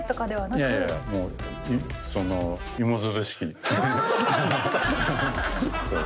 いやいやもうそのうわ！